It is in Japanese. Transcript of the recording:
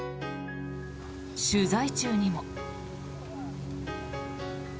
取材中にも。